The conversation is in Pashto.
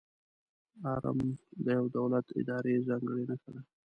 آرم د یو دولت، ادارې ځانګړې نښه ده.